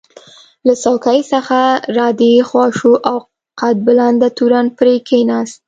له څوکۍ څخه را دې خوا شو او قد بلنده تورن پرې کېناست.